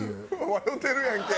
笑うてるやんけ！